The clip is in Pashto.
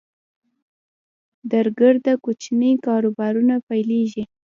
درګرده کوچني کاروبارونه پیلېږي